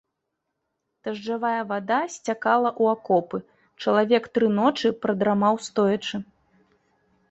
Дажджавая вада сцякала ў акопы, чалавек тры ночы прадрамаў стоячы.